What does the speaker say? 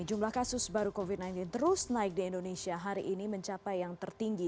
jumlah kasus baru covid sembilan belas terus naik di indonesia hari ini mencapai yang tertinggi